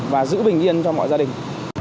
và giữ bình yên cho mọi gia đình